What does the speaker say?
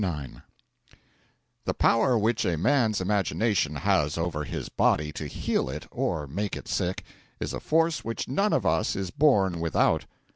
IX The power which a man's imagination has over his body to heal it or make it sick is a force which none of us is born without.